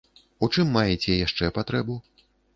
У чым маеце яшчэ патрэбу?